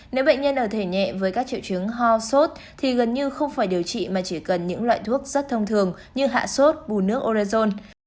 nếu bệnh nhân ở thể nhẹ với các triệu chứng ho sốt thì gần như không phải điều trị mà chỉ cần những loại thuốc rất thông thường như hạ sốt bù nước orezon